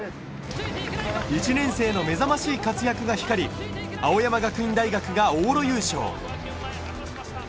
１年生の目覚しい活躍が光り、青山学院大学が往路優勝。